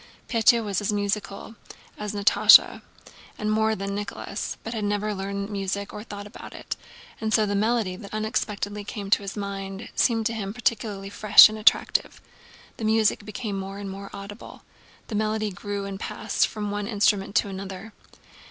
Pétya was as musical as Natásha and more so than Nicholas, but had never learned music or thought about it, and so the melody that unexpectedly came to his mind seemed to him particularly fresh and attractive. The music became more and more audible. The melody grew and passed from one instrument to another.